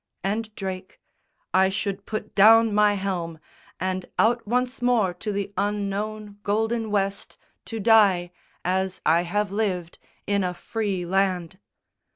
And Drake, "I should put down my helm, And out once more to the unknown golden West To die, as I have lived, in a free land."